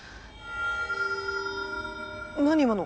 何今の？